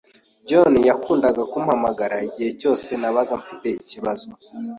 John yakundaga kumpagarara igihe cyose nabaga mfite ibibazo.